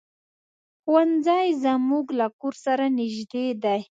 ښوونځی زمونږ له کور سره نږدې دی.